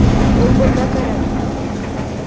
Ул бында кәрәк